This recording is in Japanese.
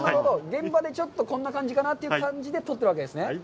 現場でちょっとこんな感じかな？という感じで撮ってるわけですね。